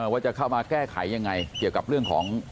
ว่าจะเข้ามาแก้ไขยังไงเกี่ยวกับเรื่องของ